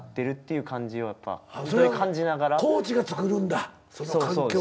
コーチがつくるんだその環境を。